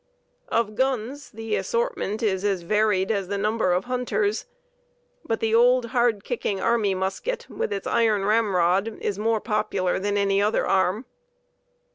Of guns the assortment is as varied as the number of hunters, but the old, hard kicking army musket with its iron ramrod is more popular than any other arm.